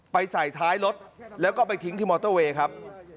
ใส่ท้ายรถแล้วก็ไปทิ้งที่มอเตอร์เวย์ครับ